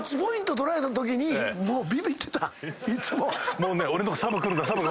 もうね。